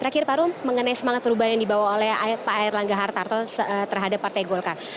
terakhir pak rum mengenai semangat perubahan yang dibawa oleh pak erlangga hartarto terhadap partai golkar